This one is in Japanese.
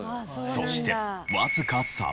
そしてわずか３分後。